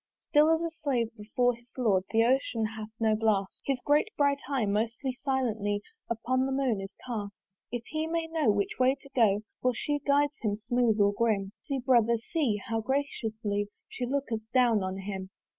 "Still as a Slave before his Lord, "The Ocean hath no blast: "His great bright eye most silently "Up to the moon is cast "If he may know which way to go, "For she guides him smooth or grim. "See, brother, see! how graciously "She looketh down on him."